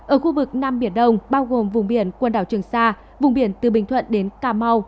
ở khu vực nam biển đông bao gồm vùng biển quần đảo trường sa vùng biển từ bình thuận đến cà mau